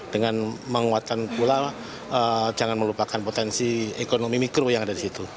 dengan menguatkan pula jangan melupakan potensi ekonomi mikro yang ada di situ